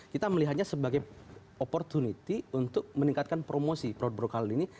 kita melihatnya sebagai opportunity untuk meningkatkan promosi produk produk halal ini